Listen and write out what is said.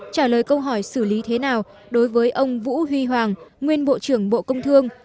trả lời câu hỏi xử lý thế nào đối với ông vũ huy hoàng nguyên bộ trưởng bộ công thương